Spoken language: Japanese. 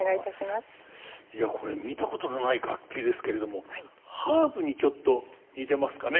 いやこれ見たことのない楽器ですけれどもハープにちょっと似てますかね。